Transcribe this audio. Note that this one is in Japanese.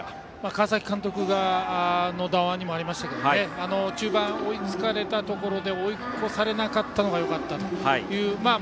川崎監督の談話にもありましたが中盤、追いつかれたところで追い越されなかったのがよかったという。